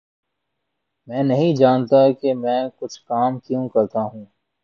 میں نہیں جانتا کہ میں کچھ کام کیوں کرتا ہوں